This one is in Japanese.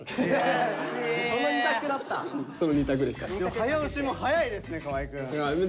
早押しも速いですね河合くん。